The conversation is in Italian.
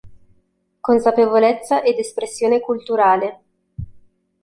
Consapevolezza ed espressione culturale.